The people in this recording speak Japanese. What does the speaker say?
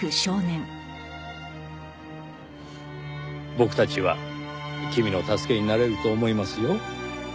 僕たちは君の助けになれると思いますよ。